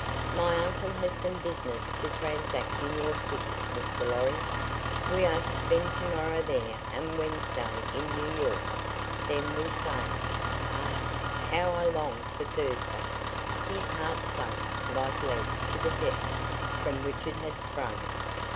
"My uncle has some business to transact in your city, Mr. Lorry. We are to spend tomorrow there and Wednesday in New York. Then we sail. Ach, how I long for Thursday!" His heart sank like lead to the depths from which it had sprung.